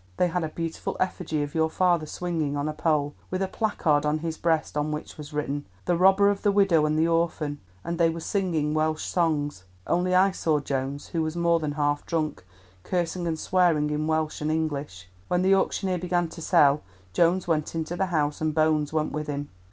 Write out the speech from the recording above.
They had a beautiful effigy of your father swinging on a pole, with a placard on his breast, on which was written, 'The robber of the widow and the orphan,' and they were singing Welsh songs. Only I saw Jones, who was more than half drunk, cursing and swearing in Welsh and English. When the auctioneer began to sell, Jones went into the house and Bones went with him.